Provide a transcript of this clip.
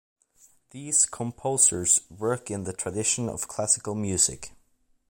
These composers work in the tradition of classical music.